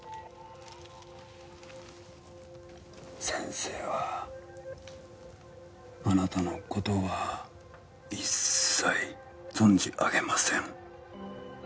先生はあなたの事は一切存じ上げません。